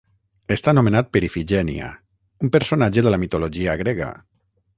Està nomenat per Ifigènia, un personatge de la mitologia grega.